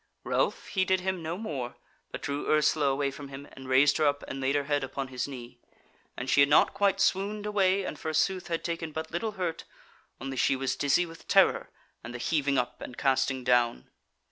Ralph heeded him no more, but drew Ursula away from him, and raised her up and laid her head upon his knee; and she had not quite swooned away, and forsooth had taken but little hurt; only she was dizzy with terror and the heaving up and casting down.